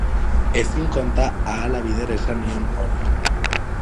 Ezin konta ahala bider esan nion hori.